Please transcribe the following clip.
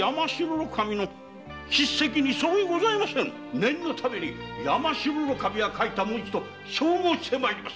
念のために山城守の書いた文字と照合して参ります。